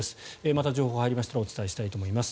また情報が入りましたらお伝えします。